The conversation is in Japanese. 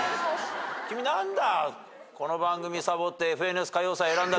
君何だ。